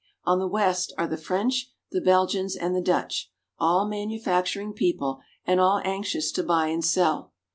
On the west are the French, the Belgians, and the Dutch, all manufac turing people and all anxious to buy and sell.